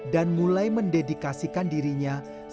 dan mulai mendedikasikan dirinya sebagai seorang perempuan